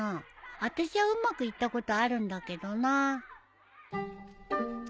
私はうまくいったことあるんだけどな。